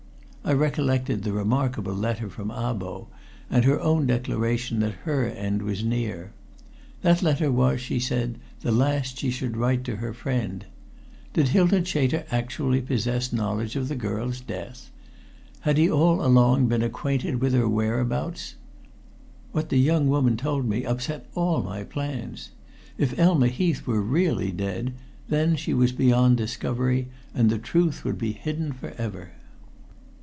I recollected the remarkable letter from Abo, and her own declaration that her end was near. That letter was, she said, the last she should write to her friend. Did Hylton Chater actually possess knowledge of the girl's death? Had he all along been acquainted with her whereabouts? What the young woman told me upset all my plans. If Elma Heath were really dead, then she was beyond discovery, and the truth would be hidden forever.